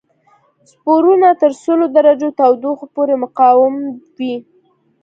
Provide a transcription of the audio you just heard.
سپورونه تر سلو درجو تودوخه پورې مقاوم وي.